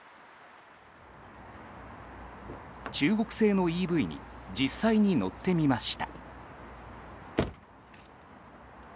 中国製のＥＶに実際に乗ってみました。